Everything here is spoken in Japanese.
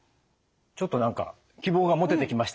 ちょっと何か希望が持ててきました。